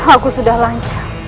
aku sudah lancar